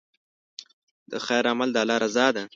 د خیر عمل د الله رضا ده.